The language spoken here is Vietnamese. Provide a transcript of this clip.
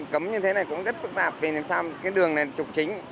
cấm như thế này cũng rất phức tạp vì làm sao cái đường nền trục chính